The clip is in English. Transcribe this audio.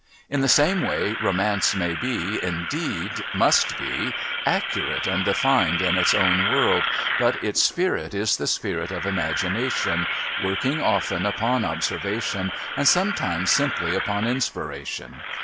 In the same way Romance may be, indeed must be, accurate and defined in its own world, but its spirit is the spirit of imagination, working often upon observation and sometimes simply upon inspiration.